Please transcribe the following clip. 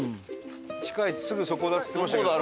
近いすぐそこだって言ってましたけど。